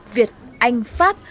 việt anh pháp